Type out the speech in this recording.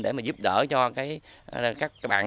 để mà giúp đỡ cho các bạn